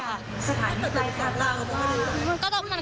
สถานีไปกับรอคืออะไร